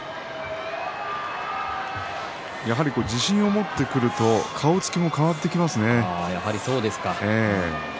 自信を持ってくると顔つきが変わってきますね。